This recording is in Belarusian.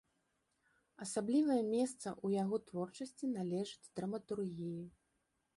Асаблівае месца ў яго творчасці належыць драматургіі.